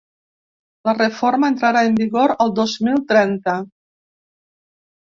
La reforma entrarà en vigor el dos mil trenta.